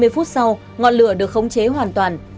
ba mươi phút sau ngọn lửa được khống chế hoàn toàn